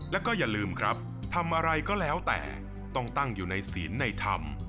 แล้วก็อย่าลืมครับทำอะไรก็แล้วแต่ต้องตั้งอยู่ในศีลในธรรม